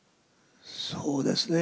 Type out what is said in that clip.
そうですね